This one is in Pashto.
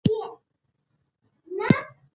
یو ناڅاپه غشی ورغی له مځکي